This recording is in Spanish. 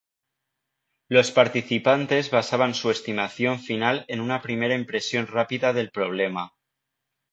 Los participantes basaban su estimación final en una primera impresión rápida del problema.